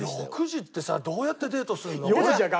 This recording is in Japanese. ６時ってさどうやってデートするの？